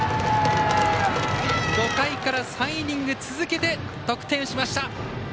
５回から３イニング続けて得点しました。